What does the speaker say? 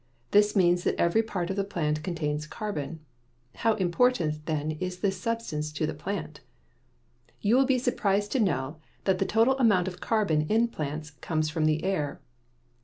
This means that every part of the plant contains carbon. How important, then, is this substance to the plant! You will be surprised to know that the total amount of carbon in plants comes from the air.